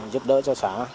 giúp đỡ cho xã